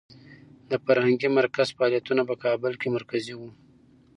د فرهنګي مرکز فعالیتونه په کابل کې مرکزي و.